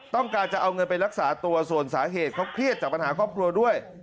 ต้องการจะเอาเงินไปรักษาตัวส่วนสาเหตุเขาเครียดจากปัญหาครอบครัวด้วย